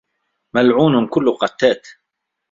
مَلْعُونٌ كُلُّ قَتَّاتٍ